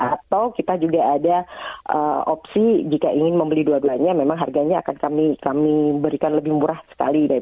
atau kita juga ada opsi jika ingin membeli dua duanya memang harganya akan kami berikan lebih murah sekali